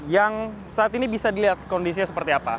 yang saat ini bisa dilihat kondisinya seperti apa